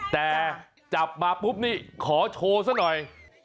แต่จับมาปุ๊บนี่ขอโชว์ซะหน่อย